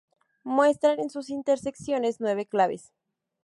Muestran en sus intersecciones nueve claves.